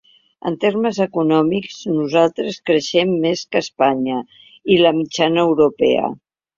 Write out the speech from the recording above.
En termes econòmics nosaltres creixem més que Espanya i la mitjana europea.